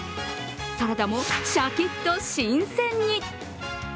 サラダもシャキッと新鮮に。